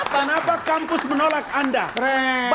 kenapa kampus menolak anda